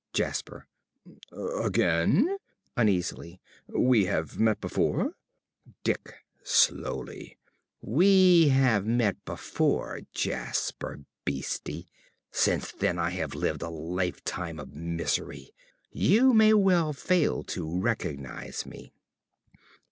~Jasper.~ Again? (Uneasily.) We have met before? ~Dick~ (slowly). We have met before, Jasper Beeste. Since then I have lived a lifetime of misery. You may well fail to recognise me.